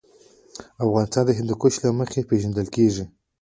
افغانستان د هندوکش له مخې پېژندل کېږي.